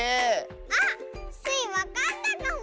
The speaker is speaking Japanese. あっスイわかったかも！